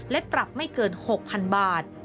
และปรับไม่เกิน๖๐๐๐บาท